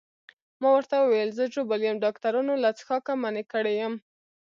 ما ورته وویل زه ژوبل یم، ډاکټرانو له څښاکه منع کړی یم.